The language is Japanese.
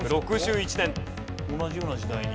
同じような時代に。